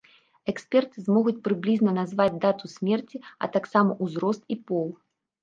Эксперты змогуць прыблізна назваць дату смерці, а таксама узрост і пол.